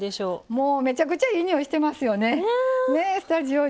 もうめちゃくちゃいい匂いしてますよねスタジオ中。